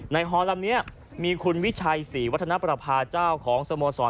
ฮอลำนี้มีคุณวิชัยศรีวัฒนประพาเจ้าของสโมสร